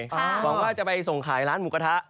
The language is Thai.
หวังว่าจะไปส่งขายร้านหมูกระทะ